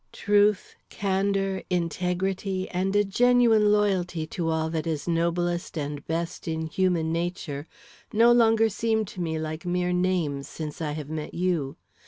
Truth, candor, integrity, and a genuine loyalty to all that is noblest and best in human nature no longer seem to me like mere names since I have met you.